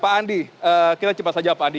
pak andi kita cepat saja pak andi